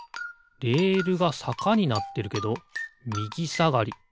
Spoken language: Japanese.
レールがさかになってるけどみぎさがり。